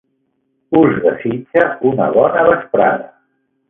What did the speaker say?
Us desitja una bona vesprada.